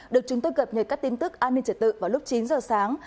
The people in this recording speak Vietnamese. được chúng tôi gập nhờ các tin tức an ninh trật tự vào lúc chín giờ sáng